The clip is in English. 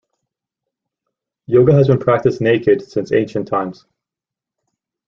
Yoga has been practiced naked since ancient times.